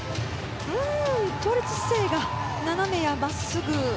倒立姿勢が斜めや真っすぐ。